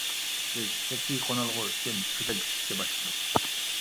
بىز كەچكى قونالغۇ ئۈچۈن چېدىر تىكىشكە باشلىدۇق.